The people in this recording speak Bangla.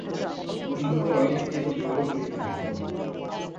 বন্ধুদের অনেককেই তো বিবাহ করিতে দেখিলাম।